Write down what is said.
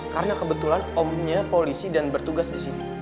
karena kebetulan omnya polisi dan bertugas di sini